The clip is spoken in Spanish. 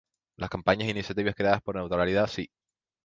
Las campañas e iniciativas creadas por Neutralidad Si!